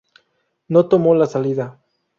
No tomó la salida.